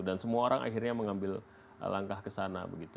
dan semua orang akhirnya mengambil langkah kesana begitu